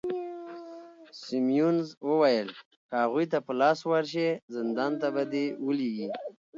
سیمونز وویل: که هغوی ته په لاس ورشې، زندان ته به دي ولیږي.